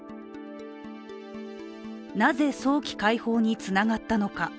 なぜ早期解放につながったのか。